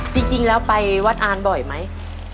จริงแล้วไปวัดอ่านบ่อยไหม